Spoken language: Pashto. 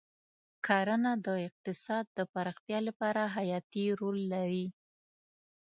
کرنه د اقتصاد د پراختیا لپاره حیاتي رول لري.